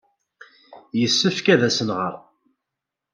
Yessefk ad asen-nɣer.